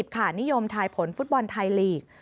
นิยมทายผลฟุตบอลไทยลีก